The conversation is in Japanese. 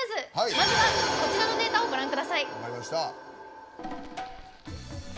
まずは、こちらのデータをご覧ください。